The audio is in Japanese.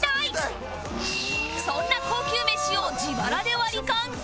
そんな高級飯を自腹でワリカン